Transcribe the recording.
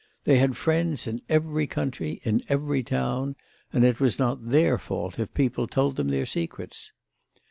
They had friends in every country, in every town; and it was not their fault if people told them their secrets.